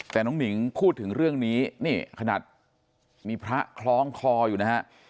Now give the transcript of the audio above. แต่น้องหนิงพูดถึงเรื่องนี้นี่ขนาดมีพระคล้องคออยู่นะฮะ